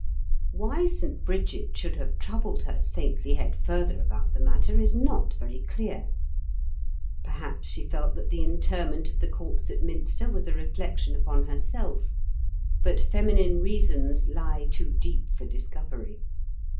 Why St. Bridget should have troubled her saintly head further about the matter is not very clear : perhaps she felt that the interment of the corpse at Minster was a reflection upon herself; but feminine reasons lie too deep for LBQETH) OF SIB ROBERT 8HURLAND. 69 discovery.